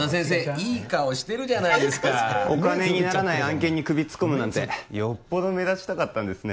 いい顔してるじゃないですかお金にならない案件に首突っ込むなんてよっぽど目立ちたかったんですね